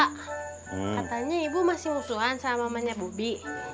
katanya ibu masih musuhan sama mamanya bobi